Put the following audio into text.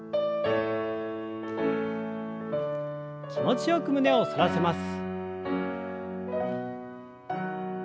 気持ちよく胸を反らせます。